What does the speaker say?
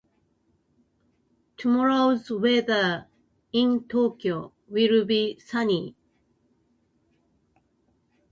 Tomorrow's weather in Tokyo will be sunny.